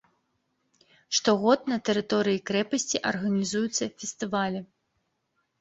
Штогод на тэрыторыі крэпасці арганізуюцца фестывалі.